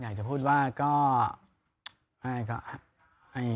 อยากจะพูดว่าอะไรอยากจะ